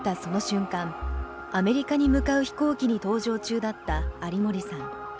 アメリカに向かう飛行機に搭乗中だった有森さん。